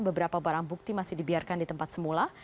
beberapa barang bukti masih dibiarkan di tempat semula